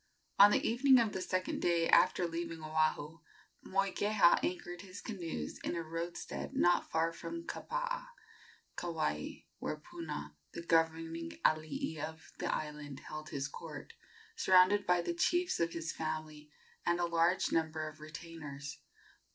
On the evening of the second day after leaving Oahu, Moikeha anchored his canoes in a roadstead not far from Kapaa, Kauai, where Puna, the governing alii of the island, held his court, surrounded by the chiefs of his family and a large number of retainers.